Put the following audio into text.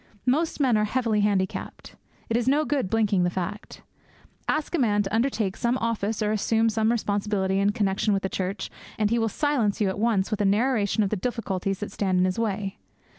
Most men are heavily handicapped; it is no good blinking the fact. Ask a man to undertake some office or assume some responsibility in connexion with the church, and he will silence you at once with a narration of the difficulties that stand in his way.